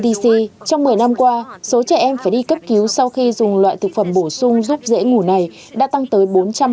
trong một mươi năm qua số trẻ em phải đi cấp cứu sau khi dùng loại thực phẩm bổ sung giúp dễ ngủ này đã tăng tới bốn trăm ba mươi